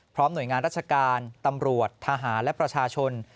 หน่วยงานราชการตำรวจทหารและประชาชน